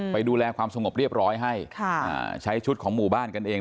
ไปดูแลความสงบเรียบร้อยให้ใช้ชุดของหมู่บ้านกันเอง